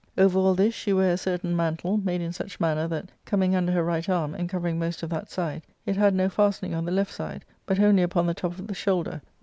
Over all this she ware a certain mantle, made in such manner that, coming under her right arm, and covering most o^that side, it had no fastening on the left side, but only upon the top of the shoulder, where l lu...